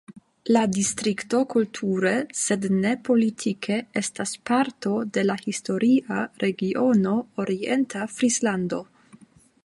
La distrikto kulture, sed ne politike, estas parto de la historia regiono Orienta Frislando.